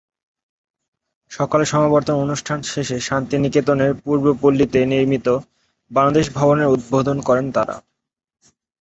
সকালে সমাবর্তন অনুষ্ঠান শেষে শান্তিনিকেতনের পূর্বপল্লিতে নির্মিত বাংলাদেশ ভবনের উদ্বোধন করেন তাঁরা।